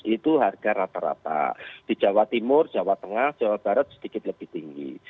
itu harga rata rata di jawa timur jawa tengah jawa barat sedikit lebih tinggi